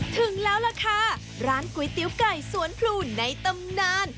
ถึงแล้วล่ะค่ะร้านก๋วยเตี๋ยวไก่สวนพลูในตำนาน